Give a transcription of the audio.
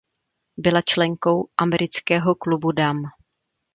Byla členkou Amerického klubu dam.